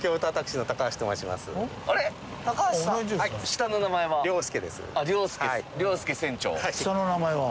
下の名前は？